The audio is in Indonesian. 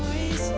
paikan lah gue